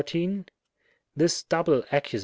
This double Accus.